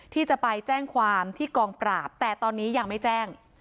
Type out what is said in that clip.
ที่จะไปแจ้งความที่กองปราบแต่ตอนนี้ยังไม่แจ้ง